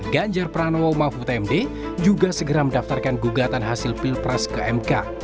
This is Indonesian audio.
ganjar pranowo mahfud md juga segera mendaftarkan gugatan hasil pilpres ke mk